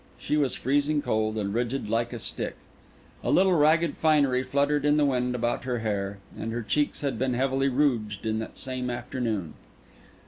She was freezing cold, and rigid like a stick. A little ragged finery fluttered in the wind about her hair, and her cheeks had been heavily rouged that same afternoon.